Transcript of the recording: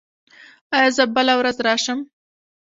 ایا زه بله ورځ راشم؟